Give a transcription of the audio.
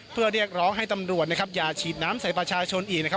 เพื่อเรียกร้องให้ตำรวจนะครับอย่าฉีดน้ำใส่ประชาชนอีกนะครับ